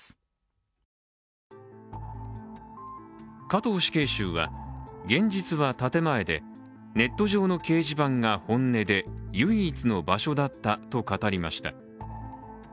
加藤死刑囚は現実は建前で、ネット上の掲示板が本音で唯一の場所だったと語りました。